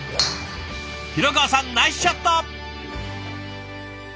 廣川さんナイスショット！